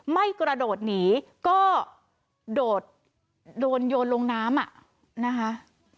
กระโดดหนีก็โดนโยนลงน้ำอ่ะนะคะ